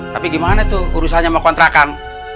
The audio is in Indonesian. tapi gimana tuh urusannya mau kontrakan